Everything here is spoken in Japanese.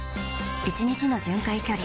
１日の巡回距離